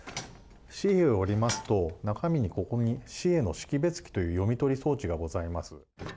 紙幣を入れますと中身にここに紙幣の識別機という読み取り装置がございます。